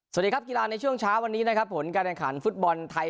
สวัสดีครับกีฬาในช่วงเช้าวันนี้นะครับผลการแข่งขันฟุตบอลไทย